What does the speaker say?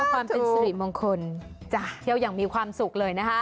ความเป็นสิริมงคลเที่ยวอย่างมีความสุขเลยนะคะ